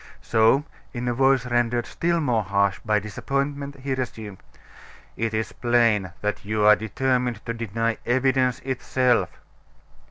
So, in a voice rendered still more harsh by disappointment, he resumed: "It is plain that you are determined to deny evidence itself."